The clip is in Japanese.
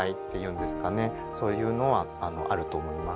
そういうのはあると思います。